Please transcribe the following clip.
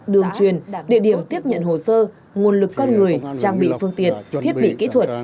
đường truyền địa điểm tiếp nhận hồ sơ nguồn lực con người trang bị phương tiện thiết bị kỹ thuật